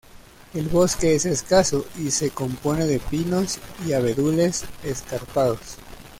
El bosque es escaso y se compone de pinos y abedules escarpados.